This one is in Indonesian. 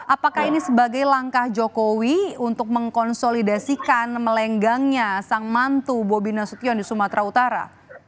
apakah ini sebagai langkah jokowi untuk mengkonsolidasikan melenggangnya sang mantu bobi nasution di sumatera utara